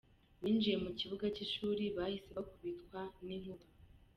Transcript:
Binjiye mu kibuga cy’ishuri bahise bakubitwa n’inkuba.